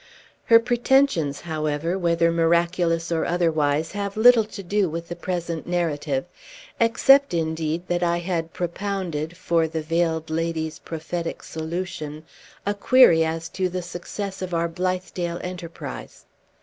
Her pretensions, however, whether miraculous or otherwise, have little to do with the present narrative except, indeed, that I had propounded, for the Veiled Lady's prophetic solution, a query as to the success of our Blithedale enterprise.